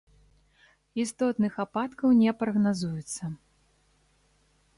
Істотных ападкаў не прагназуецца.